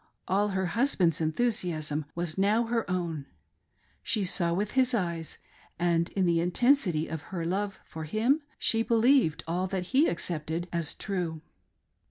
All her husband's enthusiasm was now her own; she saw •with his eyes, and in the intensity of her love for him she believed all that he accepted as true.